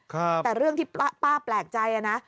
แต่เรื่องที่ป้าแปลกใจนะ